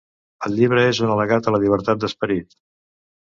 El llibre és un al·legat a la llibertat d'esperit.